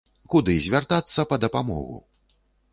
Куды звяртацца па дапамогу?